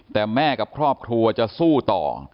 แต่แม่กับครอบครัวจะสู้ต่อ